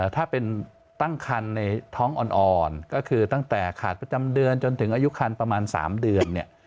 ถ้าเป็นตั้งคันในท้องอ่อนก็คือตั้งแต่ขาดประจำเดือนจนถึงอายุคันประมาณ๓เดือนเนี่ย